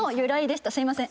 すみません。